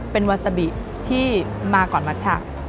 เป็นวาซาบิที่มาก่อนมัชชะ